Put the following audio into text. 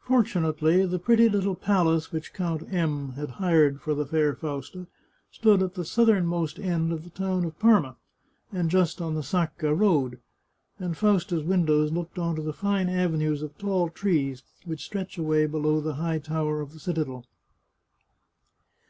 Fortunately the pretty little palace which Count M had hired for the fair Fausta stood at the southernmost end of the town of Parma, and just on the Sacca road, and Fausta's windows looked on to the fine avenues of tall trees which stretch away below the high tower of the citadel.